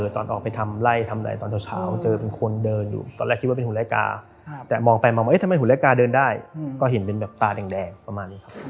ตอนออกไปทำไร้ทำไรตอนเถา